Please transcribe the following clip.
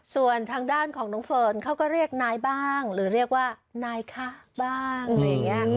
ส่วนทางด้านของน้องเฟิร์นเขาก็เรียกนายบ้างหรือเรียกว่านายคะบ้างอะไรอย่างนี้